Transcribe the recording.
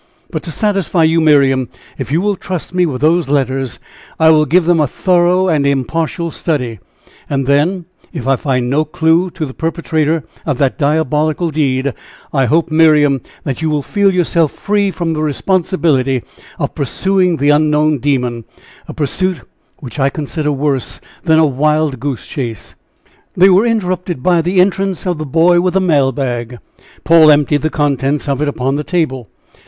But, to satisfy you, Miriam, if you will trust me with those letters, I will give them a thorough and impartial study, and then, if I find no clue to the perpetrator of that diabolical deed, I hope, Miriam, that you will feel yourself free from the responsibility of pursuing the unknown demon a pursuit which I consider worse than a wild goose chase." They were interrupted by the entrance of the boy with the mail bag. Paul emptied the contents of it upon the table.